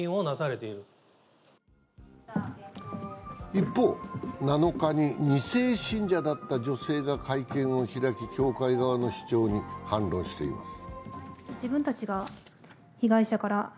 一方、７日に、２世信者だった女性が教会側の主張に反論しています。